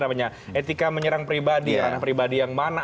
etika menyerang pribadi anak pribadi yang mana